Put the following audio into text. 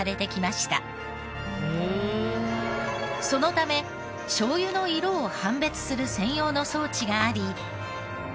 そのため醤油の色を判別する専用の装置があり。